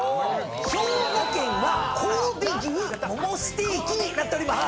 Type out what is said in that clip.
兵庫県は神戸牛ももステーキになっております。